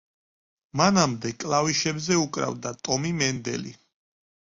მანამდე, კლავიშებზე უკრავდა ტომი მენდელი.